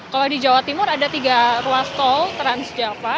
kalau di jawa timur ada tiga ruas tol transjava